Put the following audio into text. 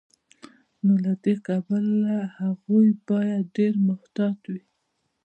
نو له دې کبله هغوی باید ډیر محتاط وي.